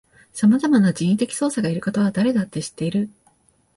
さまざまな人為的操作がいることは誰だって知っている